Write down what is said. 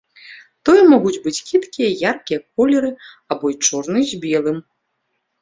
Тое могуць быць кідкія яркія колеры або і чорны з белым.